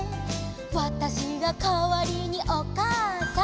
「わたしがかわりにおかあさん」